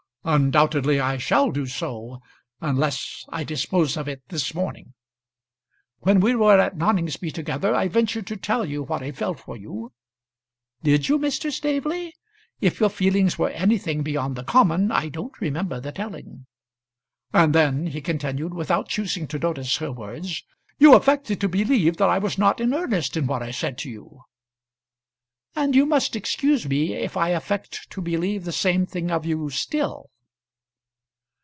"Undoubtedly I shall do so, unless I dispose of it this morning. When we were at Noningsby together, I ventured to tell you what I felt for you " "Did you, Mr. Staveley? If your feelings were anything beyond the common, I don't remember the telling." "And then," he continued, without choosing to notice her words, "you affected to believe that I was not in earnest in what I said to you." "And you must excuse me if I affect to believe the same thing of you still."